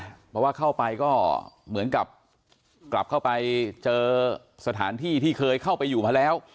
เพราะว่าเข้าไปก็เหมือนกับกลับเข้าไปเจอสถานที่ที่เคยเข้าไปอยู่มาแล้ว